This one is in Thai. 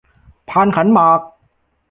พานขันหมาก